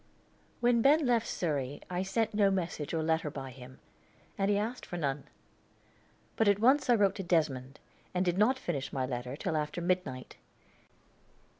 When Ben left Surrey, I sent no message or letter by him, and he asked for none. But at once I wrote to Desmond, and did not finish my letter till after midnight.